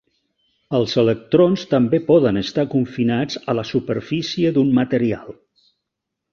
Els electrons també poden estar confinats a la superfície d'un material.